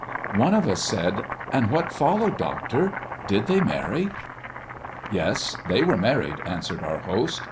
One of us said, "And what followed, Doctor? Did they marry?" "Yes; they were married," answered our host.